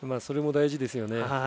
それも大事ですよね。